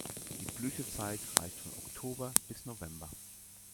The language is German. Die Blütezeit reicht von Oktober bis November.